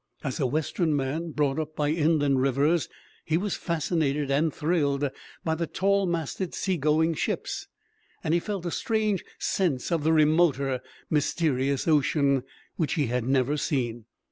As a Western man, brought up by inland rivers, he was fascinated and thrilled by the tall masted sea going ships, and he felt a strange sense of the remoter mysterious ocean, which he had never seen.